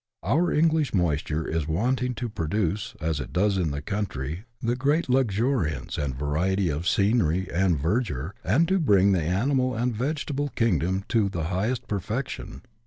Our English moisture is wanting to produce, as it does in this country, the great luxu riance and variety of scenery and verdure, and to bring the animal and vegetable kingdom to the highest perfection.